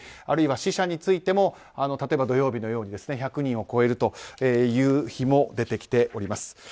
あるいは死者についても例えば、土曜日のように１００人を超えるという日も出てきております。